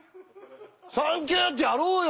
「サンキュー！」ってやろうよ！